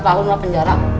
lima tahun lo penjara